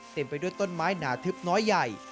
เต็มไปด้วยต้นไม้หนาทึบน้อยใหญ่